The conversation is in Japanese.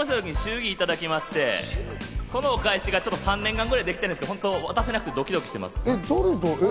結婚した時に祝儀をいただきまして、そのお返しが３年間ぐらいできてないんですけど、渡せなくてドキドキしてます。